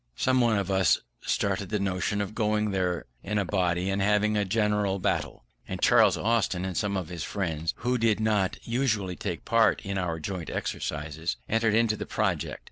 Some one of us started the notion of going there in a body and having a general battle: and Charles Austin and some of his friends who did not usually take part in our joint exercises, entered into the project.